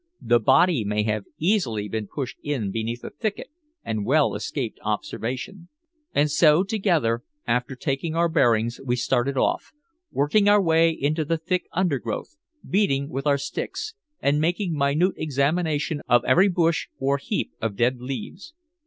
The body may have easily been pushed in beneath a thicket and well escape observation." And so together, after taking our bearings, we started off, working our way into the thick undergrowth, beating with our sticks, and making minute examination of every bush or heap of dead leaves.